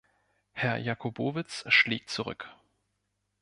Herr Jacobowitz schlägt zurück.